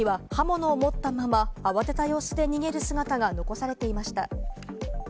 防犯カメラには刃物を持ったまま慌てた様子で逃げる姿が残されていました。